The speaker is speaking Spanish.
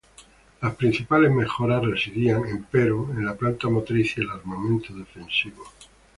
Las principales mejoras residían, empero, en la planta motriz y el armamento defensivo.